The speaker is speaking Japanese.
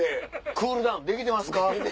クールダウンできてますか？